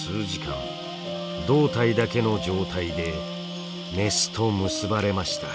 胴体だけの状態でメスと結ばれました。